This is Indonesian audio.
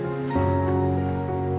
aku masih bercinta sama kamu